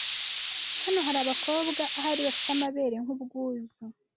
Hano hari abakobwa, ahari, bafite amabere nkubwuzu,